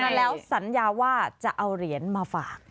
แล้วสัญญาว่าจะเอาเหรียญมาฝาก